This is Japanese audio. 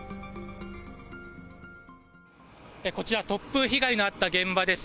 こちら、突風被害のあった現場です。